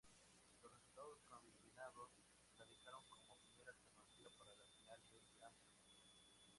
Los resultados combinados la dejaron como primera alternativa para la Final del Grand Prix.